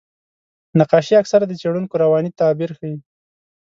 نقاشي اکثره د څېړونکو رواني تعبیر ښيي.